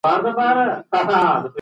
د کندهار شیدې او مستې ولي خوندورې دي؟